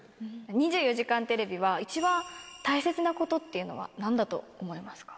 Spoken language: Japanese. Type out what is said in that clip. ２４時間テレビは、一番大切なことっていうのはなんだと思いますか？